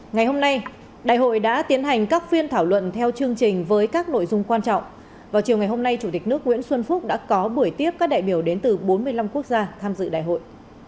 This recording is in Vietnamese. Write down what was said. ngày hôm nay chủ tịch nước nguyễn xuân phúc đã có bửi tiếp các đại biểu đến từ bốn mươi năm quốc gia tham dự đại hội